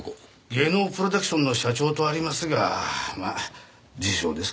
芸能プロダクションの社長とありますがまあ自称ですかね。